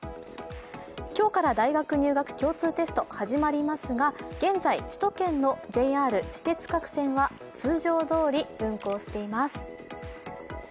今日から大学入学共通テスト、始まりますが現在、首都圏のＪＲ、私鉄各線は通常どおり運行しています。